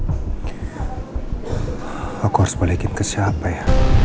aku harus balikin ke siapa ya